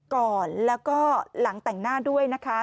ก่อนแล้วก็หลังแต่งหน้าด้วยนะคะ